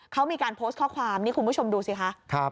เขามีการโพสต์ข้อความนี่คุณผู้ชมดูสิคะ